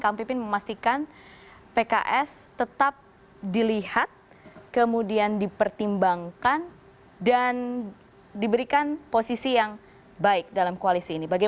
kang pipin memastikan pks tetap dilihat kemudian dipertimbangkan dan diberikan posisi yang baik dalam koalisi ini